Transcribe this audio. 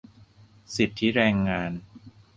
สิทธิแรงงาน